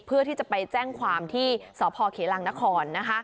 เพื่อที่จะไปแจ้งความที่สพเขลังนคร